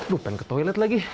duh pengen ke toilet lagi